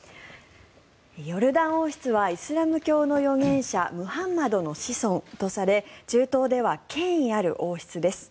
ヨルダン王室はイスラム教の預言者ムハンマドの子孫とされ中東では権威ある王室です。